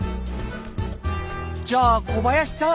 じゃあ小林さん